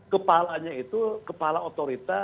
kepalanya itu kepala otorita